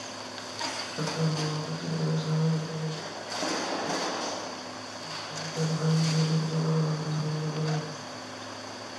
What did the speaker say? অজ্ঞাতনামা ব্যক্তিদের আসামি করে ইরফানুলের ভাই ইমদাদুল কলাবাগান থানায় মামলা করেন।